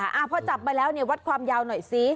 อ่าพอจับมาแล้วเนี่ยวัดความยาวหน่อยซิ